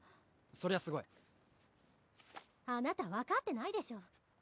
そりゃすごいあなた分かってないでしょ？